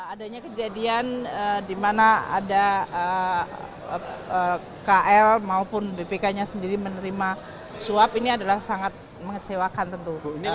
adanya kejadian di mana ada kl maupun bpk nya sendiri menerima suap ini adalah sangat mengecewakan tentu